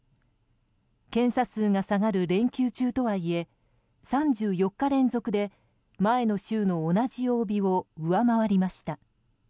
検査数が下がる連休中とはいえ３４日連続で前の週の同じ曜日を上回りました。